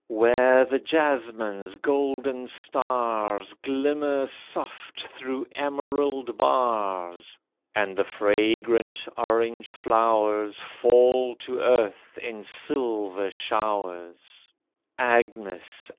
Where the jasmine's golden stars Glimmer soft through emerald bars, And the fragrant orange flowers Fall to earth in silver showers, Agnes